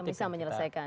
yang bisa menyelesaikan